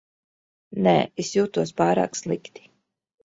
Nē, es jūtos pārāk slikti.